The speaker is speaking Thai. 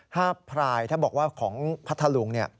ภาพพรายถ้าบอกว่าของพัทธลุง